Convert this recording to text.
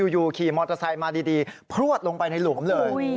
อยู่ขี่มอเตอร์ไซค์มาดีพลวดลงไปในหลุมเลย